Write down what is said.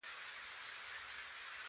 هر کس له بل سره توپير لري.